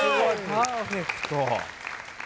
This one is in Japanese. パーフェクト。